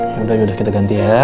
yaudah udah kita ganti ya